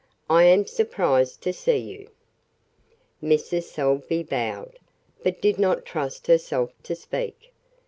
"I am surprised to see you!" Mrs. Salvey bowed, but did not trust herself to speak.